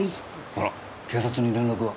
あら警察に連絡は？